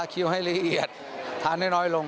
คิวให้ละเอียดทานได้น้อยลง